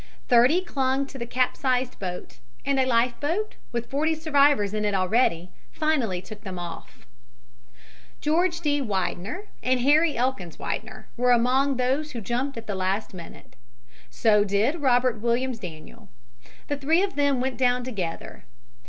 Thirty clung to the capsized boat, and a life boat, with forty survivors in it already, finally took them off. "George D. Widener and Harry Elkins Widener were among those who jumped at the last minute. So did Robert Williams Daniel. The three of them went down together.